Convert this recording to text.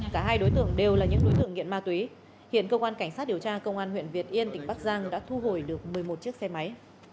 cả hai đối tượng đều là những đối tượng nghiện ma túy hiện cơ quan cảnh sát điều tra công an huyện việt yên tỉnh bắc giang đã thu hồi được một mươi một chiếc xe máy